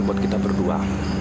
buat kita berdua